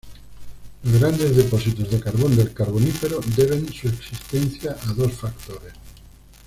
Los grandes depósitos de carbón del Carbonífero deben su existencia a dos factores.